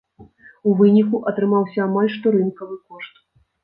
У выніку, атрымаўся амаль што рынкавы кошт.